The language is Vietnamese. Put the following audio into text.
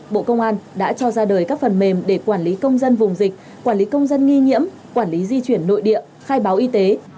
bộ công an đã cho ra đời các phần mềm để quản lý công dân vùng dịch quản lý công dân nghi nhiễm quản lý di chuyển nội địa khai báo y tế